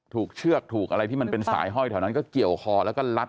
เชือกถูกอะไรที่มันเป็นสายห้อยแถวนั้นก็เกี่ยวคอแล้วก็ลัด